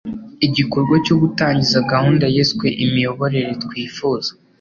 igikorwa cyo gutangiza gahunda yiswe ImiyoborereTwifuza